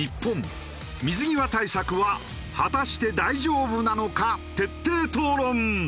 水際対策は果たして大丈夫なのか徹底討論！